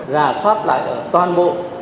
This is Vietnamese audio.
rà soát lại toàn bộ